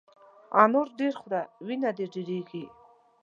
انار ډېر خوره ، وینه دي ډېرېږي !